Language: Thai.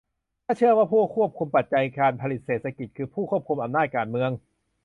ถ้าเชื่อว่าผู้ควบคุมปัจจัยการผลิตเศรษฐกิจคือผู้ควบคุมอำนาจการเมือง